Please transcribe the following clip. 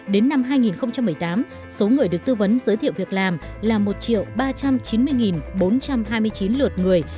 đến năm hai nghìn một mươi tám số người được tư vấn giới thiệu việc làm là một ba trăm chín mươi bốn trăm hai mươi chín lượt người